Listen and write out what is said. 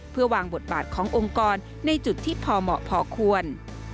เพื่อวางบทบาทขององค์กรในจุดที่พอเหมาะพอควร